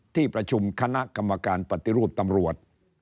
ที่ประชุมคณะกรรมการปฏิรูปตำรวจ